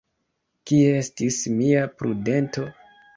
Kie estis mia prudento?